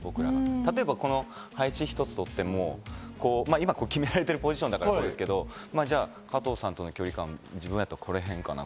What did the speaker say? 例えば、この配置一つとっても今、決められているポジションだからあれですけど、加藤さんとの距離感、自分やったらこの辺かな？